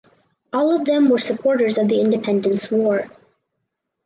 All of them were supporters of the Independence War.